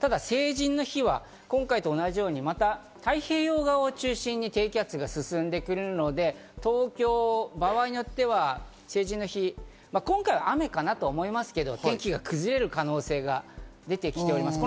ただ成人の日は今回と同じように太平洋側を中心に低気圧が進んでいくので東京、場合によっては成人の日、今回は雨かなと思いますが、天気が崩れる可能性が出てきております。